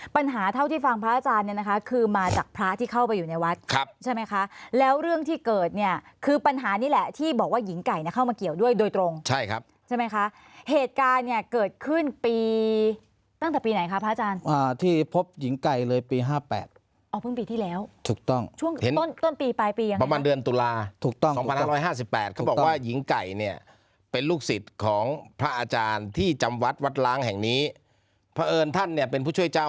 ปัญหาเท่าที่ฟังพระอาจารย์เนี่ยนะคะคือมาจากพระที่เข้าไปอยู่ในวัดใช่ไหมคะแล้วเรื่องที่เกิดเนี่ยคือปัญหานี่แหละที่บอกว่าหญิงไก่เข้ามาเกี่ยวด้วยโดยตรงใช่ครับใช่ไหมคะเหตุการณ์เนี่ยเกิดขึ้นปีตั้งแต่ปีไหนคะพระอาจารย์ที่พบหญิงไก่เลยปี๕๘อ๋อเพิ่งปีที่แล้วถูกต้องช่วงต้นปีปลายปีประมาณเดือน